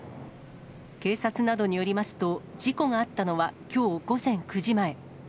警察などによりますと、事故があったのはきょう午前９時前。